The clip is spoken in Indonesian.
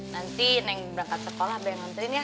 nanti neng berangkat sekolah bayang nantain ya